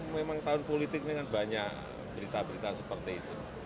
memang tahun politik ini kan banyak berita berita seperti itu